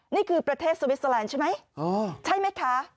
นี่คือประเทศสวิสเตอร์แลนด์ใช่ไหมใช่ไหมคะ